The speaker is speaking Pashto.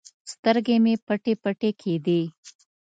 سترګې مې پټې پټې کېدې.